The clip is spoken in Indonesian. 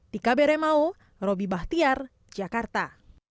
tika bere mau robi bahtiar jakarta